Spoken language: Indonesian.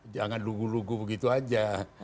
jangan lugu lugu begitu aja